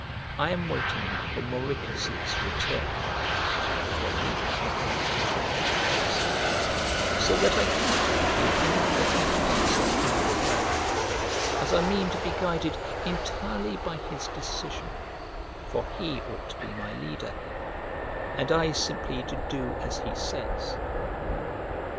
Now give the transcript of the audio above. I am waiting for Mauricus' return" (for he had not yet come back out of exile), "so that I cannot give you any definite answer either way, as I mean to be guided entirely by his decision, for he ought to be my leader here, and I simply to do as he says."